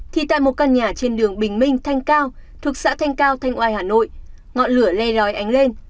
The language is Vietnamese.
thì tại một căn nhà trên đường bình minh thanh cao thuộc xã thanh cao thanh oai hà nội ngọn lửa le lói ánh lên